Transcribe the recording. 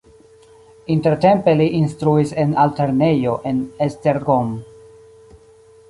Intertempe li instruis en altlernejo de Esztergom.